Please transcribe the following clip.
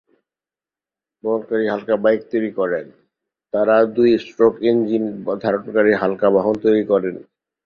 তাঁরা দুই stroke engine ধারণকারী হালকা বাইক তৈরি করেন।